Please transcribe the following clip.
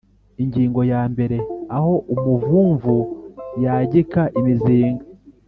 Ingingo ya mbere Aho umuvumvu yagika imizinga